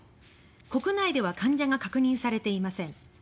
国内では患者が確認されていません。